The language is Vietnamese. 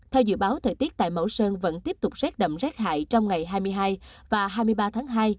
theo dự báo thời tiết tại mẫu sơn vẫn tiếp tục rét đậm rét hại trong ngày hai mươi hai và hai mươi ba tháng hai